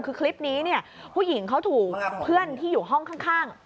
คือคลิปนี้เนี่ยผู้หญิงเขาถูกเพื่อนที่อยู่ห้องข้าง